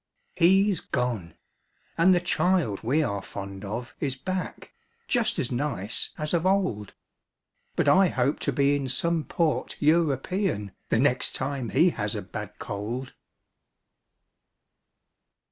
He's gone, and the child we are fond of Is back, just as nice as of old. But I hope to be in some port European The next time he has a bad cold.